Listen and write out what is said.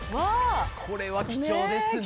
これは貴重ですね。